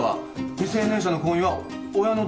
未成年者の婚姻は親の同意がないと。